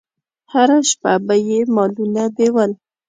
هره شپه به یې مالونه بېول.